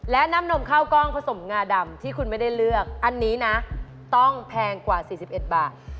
และน้ำนมข้าวกล้องผสมงาดำที่คุณไม่ได้เลือกอันนี้นะต้องแพงกว่า๔๑บาท